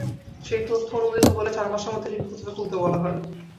সেই তথ্য অনুমোদিত হলে চার মাসের মধ্যে ঋণপত্র খুলতে বলা হয়।